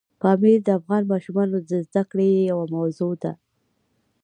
پامیر د افغان ماشومانو د زده کړې یوه موضوع ده.